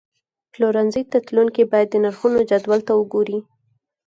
پلورنځي ته تلونکي باید د نرخونو جدول ته وګوري.